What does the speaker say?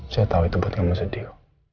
saya tahu itu buat kamu sedih